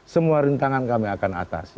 semua rintangan kami akan atasi